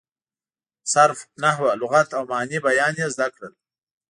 صرف، نحو، لغت او معاني بیان یې زده کړل.